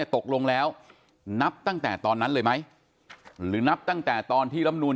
ตกลงแล้วนับตั้งแต่ตอนนั้นเลยไหมหรือนับตั้งแต่ตอนที่ลำนูน